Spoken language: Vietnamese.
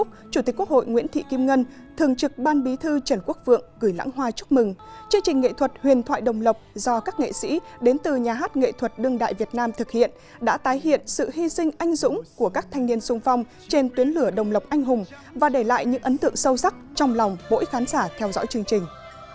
trong chương trình nghệ thuật huyền thoại đồng lộc do các nghệ sĩ đến từ nhà hát nghệ thuật đương đại việt nam thực hiện đã tái hiện sự hy sinh anh dũng của các thanh niên sung phong trên tuyến lửa đồng lộc anh hùng và để lại những ấn tượng sâu sắc trong lòng mỗi khán giả theo dõi chương trình